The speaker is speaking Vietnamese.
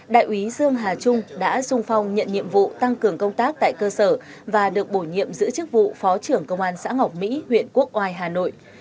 đại úy dương hà trung đã sung phong nhận nhiệm vụ tăng cường công tác tại cơ sở và được bổ nhiệm giữ chức vụ phó trưởng công an xã ngọc mỹ huyện quốc oai hà nội